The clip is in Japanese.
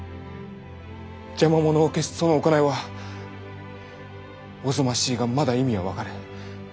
邪魔者を消すその行いはおぞましいがまだ意味は分かる。